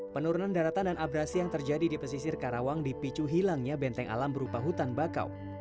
penurunan daratan dan abrasi yang terjadi di pesisir karawang dipicu hilangnya benteng alam berupa hutan bakau